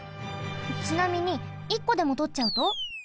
ちなみに１こでもとっちゃうと？